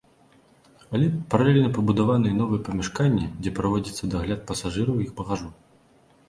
Але паралельна пабудаваныя новыя памяшканні, дзе праводзіцца дагляд пасажыраў і іх багажу.